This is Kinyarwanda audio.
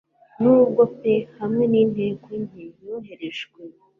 n'ubwoba pe hamwe n'intege nke yoherejwe